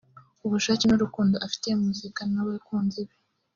ubushake n’urukundo afitiye muzika n’abakunzi be